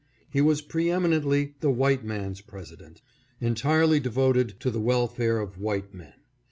He was preeminently the white man's President, entirely devoted to the welfare of white men.